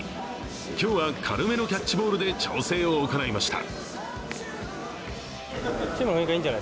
今日は軽めのキャッチボールで調整を行いました。